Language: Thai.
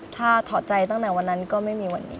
ถ้าถอดใจตั้งแต่วันนั้นก็ไม่มีวันนี้